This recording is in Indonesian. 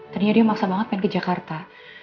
ternyata dia maksa banget main ke jakarta